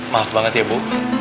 maaf banget ya bu